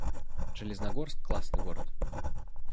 Железногорск — классный город